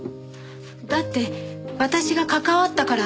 だって私が関わったから。